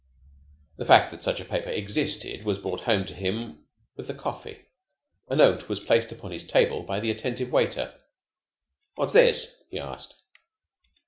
The fact that such a paper existed was brought home to him with the coffee. A note was placed upon his table by the attentive waiter. "What's this?" he asked.